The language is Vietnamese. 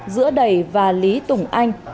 giữa đầy và lý tùng anh